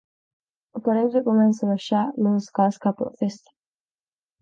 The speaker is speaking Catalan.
Apareix i comença a baixar les escales cap a la festa.